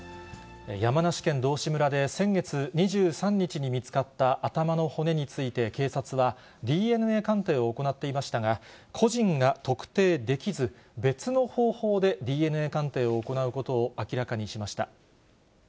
山梨県道志村で、先月２３日に見つかった頭の骨について、警察はＤＮＡ鑑定を行っていましたが、個人が特定できず、別の方法でＤＮＡ鑑定を行うことを明らかにしました。